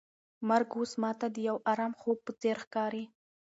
مرګ اوس ماته د یو ارام خوب په څېر ښکاري.